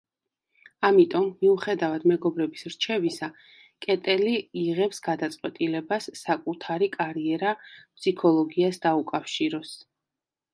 ამიტომ, მიუხედავად მეგობრების რჩევისა, კეტელი იღებს გადაწყვეტილებას საკუთარი კარიერა ფსიქოლოგიას დაუკავშიროს.